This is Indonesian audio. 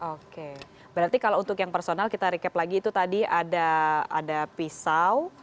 oke berarti kalau untuk yang personal kita recap lagi itu tadi ada pisau